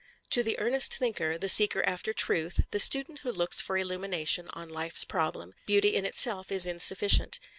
To the earnest thinker, the seeker after truth, the student who looks for illumination on life's problem, beauty in itself is insufficient.